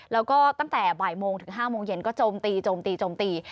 แล้วก็ตั้งแต่บ่ายโมงถึง๕โมงเย็นก็โจมตี